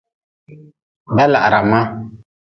Dalahra ma.